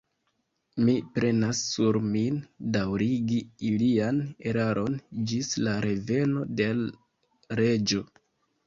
Mi prenas sur min, daŭrigi ilian eraron ĝis la reveno de l' Reĝo.